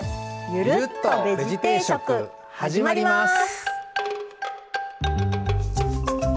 「ゆるっとベジ定食」始まります！